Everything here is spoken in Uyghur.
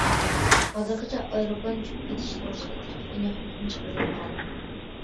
ھازىرغىچە ئايروپىلان چۈشۈپ كېتىش توغرىسىدا تېخى ئېنىق ھۆكۈم چىقىرىلمىغان.